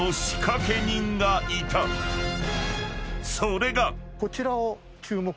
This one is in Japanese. ［それが］